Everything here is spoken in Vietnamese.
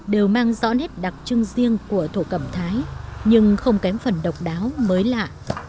đều mang rõ nét đặc trưng riêng của thổ cẩm thái nhưng không kém phần độc đáo mới lạ